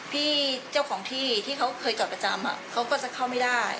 พี่เจ้าของที่ที่เขาเคยจอดประจำเขาก็จะเข้าไม่ได้